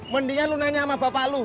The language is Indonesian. mendia lu nanya sama bapak lu